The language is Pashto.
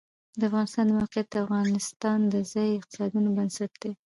د افغانستان د موقعیت د افغانستان د ځایي اقتصادونو بنسټ دی.